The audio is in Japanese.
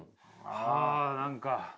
はあ何か。